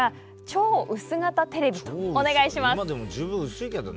超薄型今でも十分薄いけどね。